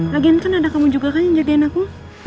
lagian kan ada kamu juga kan yang jadiin aku